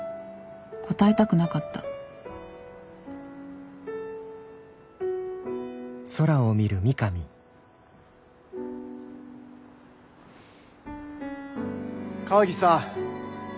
答えたくなかった川岸さん。